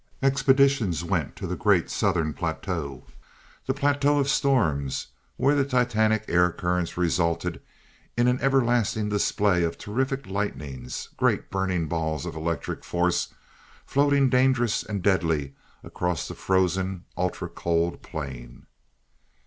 Expeditions went to the great Southern Plateau, the Plateau of Storms, where the titanic air currents resulted in an everlasting display of terrific lightnings, great burning balls of electric force floating dangerous and deadly across the frozen, ultra cold plain.